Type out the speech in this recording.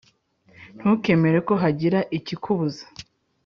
Ntukemere ko hagira ikikubuza